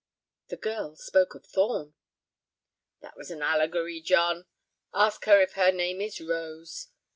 "The girl spoke of Thorn." "That was an allegory, John; ask her if her name is Rose.